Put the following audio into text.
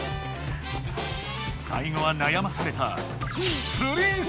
最後はなやまされた「フリーズ」！